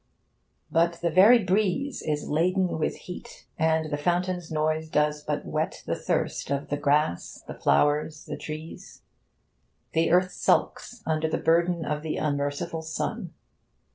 But the very breeze is laden with heat, and the fountain's noise does but whet the thirst of the grass, the flowers, the trees. The earth sulks under the burden of the unmerciful sun.